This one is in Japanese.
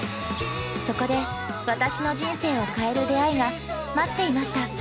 そこで私の人生を変える出会いが待っていました。